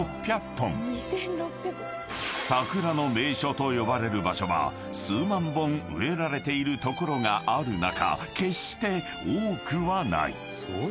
［桜の名所と呼ばれる場所は数万本植えられている所がある中決して多くはない］